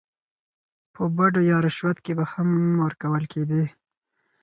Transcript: په بډو يا رشوت کې به هم ورکول کېدې.